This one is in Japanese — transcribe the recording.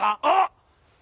あっ！